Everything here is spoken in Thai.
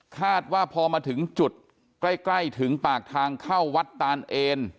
คาดว่าพอมาถึงจุดใกล้ถึงปากทางเข้าวัดตานเอน